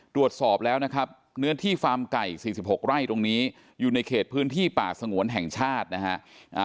ตรวจสอบแล้วนะครับเนื้อที่ฟาร์มไก่๔๖ไร่ตรงนี้อยู่ในเขตพื้นที่ป่าสงวนแห่งชาตินะฮะ